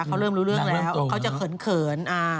เขาเริ่มรู้เรื่องแล้วเขาจะเขิน